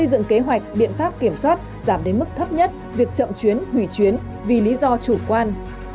xây dựng kế hoạch biện pháp kiểm soát giảm đến mức thấp nhất việc chậm chuyến hủy chuyến vì lý do chủ quan